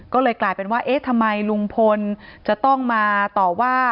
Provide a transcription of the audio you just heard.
ก็เลยกลายเป็นว่าเอ๊ะทำไมลุงพลจะต้องมาต่อว่า